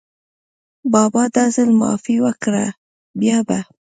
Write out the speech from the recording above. بابا دا ځل معافي وکړه، بیا به …